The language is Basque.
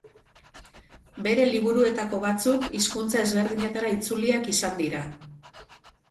Bere liburuetako batzuk hizkuntza ezberdinetara itzuliak izan dira.